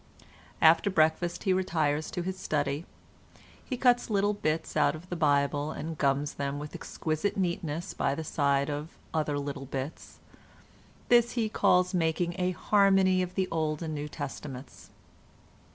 After breakfast he retires to his study; he cuts little bits out of the Bible and gums them with exquisite neatness by the side of other little bits; this he calls making a Harmony of the Old and New Testaments.